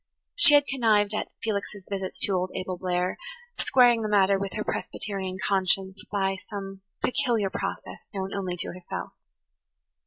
She had connived at Felix's visits to old Abel Blair, squaring the matter with her Presbyterian conscience by some peculiar process known only to herself.